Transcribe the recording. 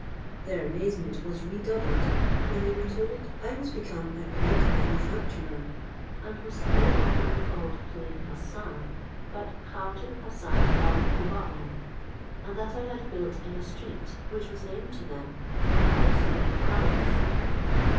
Their amazement was redoubled, when they were told I was become a great manufacturer, and was no longer called plain Hassan, but Khaujeh Hassan al Hubbaul, and that I had built in a street, which was named to them, a house like a palace.